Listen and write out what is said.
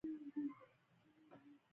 روزي ګټل انسان حقيقت ليدونی روزي.